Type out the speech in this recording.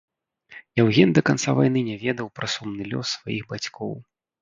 Яўген да канца вайны не ведаў пра сумны лёс сваіх бацькоў.